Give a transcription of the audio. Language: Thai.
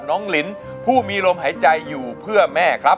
ลินผู้มีลมหายใจอยู่เพื่อแม่ครับ